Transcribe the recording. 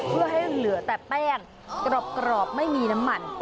เพื่อให้เหลือแต่แป้งกรอบไม่มีน้ำมัน